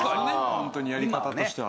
ホントにやり方としては。